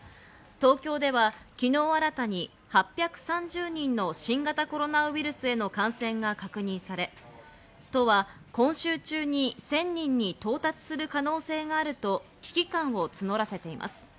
東京では昨日新たに８３０人の新型コロナウイルスへの感染が確認され、都は今週中に１０００人に到達する可能性があると危機感を募らせています。